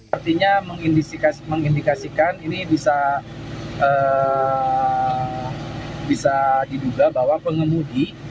artinya mengindikasikan ini bisa diduga bahwa pengemudi